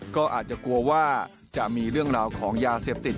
ก็อาจจะกลัวว่าจะมีเรื่องราวของยาเสพติด